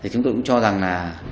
chúng tôi cũng cho rằng là